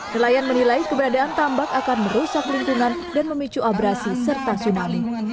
nelayan menilai keberadaan tambak akan merusak lingkungan dan memicu abrasi serta tsunami